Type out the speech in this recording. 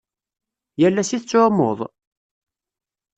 Yal ass i tettɛummuḍ?